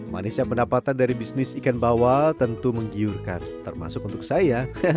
manisnya pendapatan dari bisnis ikan bawal tentu menggiurkan termasuk untuk saya